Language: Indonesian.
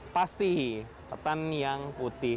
pasti ketan yang putih